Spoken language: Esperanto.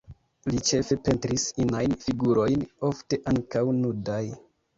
Li ĉefe pentris inajn figurojn, ofte ankaŭ nudaj.